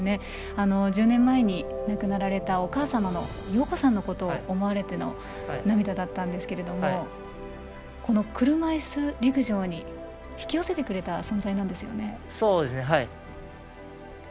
１０年前に亡くなられたお母様の洋子さんのことを思われての涙だったんですけれども車いす陸上に引き寄せてくれた存在なんですよね。